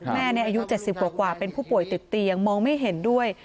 แม่อายุ๗๐กว่าเป็นผู้ป่วยติดเตียงมองไม่เห็นด้วย